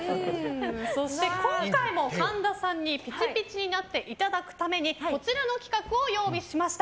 そして今回も神田さんにピチピチになっていただくためにこちらの企画を用意しました。